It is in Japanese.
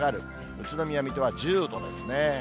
宇都宮、水戸は１０度ですね。